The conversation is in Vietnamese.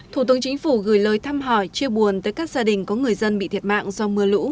thủ tướng chính phủ gửi lời thăm hỏi chia buồn tới các gia đình có người dân bị thiệt mạng do mưa lũ